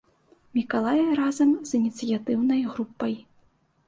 Мікалай разам з ініцыятыўнай групай.